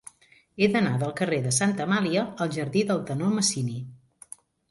He d'anar del carrer de Santa Amàlia al jardí del Tenor Masini.